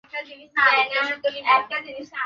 হেই, বাচ্চারা।